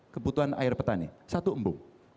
kebutuhan air petani satu embung